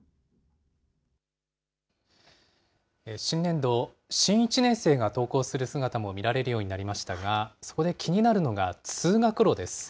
新年度、新１年生が登校する姿も見られるようになりましたが、そこで気になるのが通学路です。